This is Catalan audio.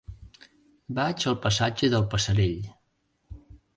Vaig al passatge del Passerell.